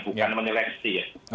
bukan menyeleksi ya